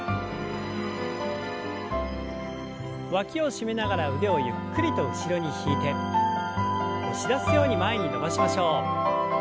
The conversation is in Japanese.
わきを締めながら腕をゆっくりと後ろに引いて押し出すように前に伸ばしましょう。